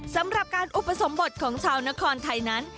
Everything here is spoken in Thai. สำหรับการอุปสมบทของชาวนครไทยนั้น